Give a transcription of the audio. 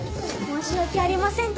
申し訳ありません。